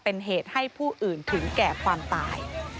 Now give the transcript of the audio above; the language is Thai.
เป็นเหตุให้ผู้อื่นถึงแก่ความตาย